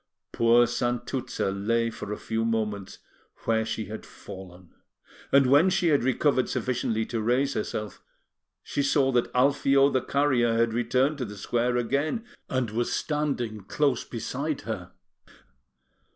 Poor Santuzza lay for a few moments where she had fallen; and when she had recovered sufficiently to raise herself, she saw that Alfio the carrier had returned to the square again, and was standing close beside her.